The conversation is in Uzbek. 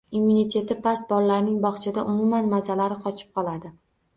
Immuniteti past bolalarning bog‘chada umuman mazalari qochib qoladi.